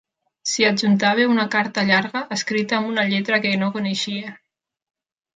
S'hi adjuntava una carta llarga escrita amb una lletra que no coneixia.